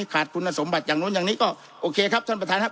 ขาดคุณสมบัติอย่างนู้นอย่างนี้ก็โอเคครับท่านประธานครับ